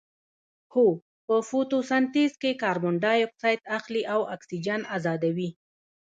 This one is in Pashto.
هو په فتوسنتیز کې کاربن ډای اکسایډ اخلي او اکسیجن ازادوي